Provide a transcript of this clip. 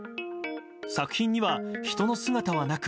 作品には人の姿はなく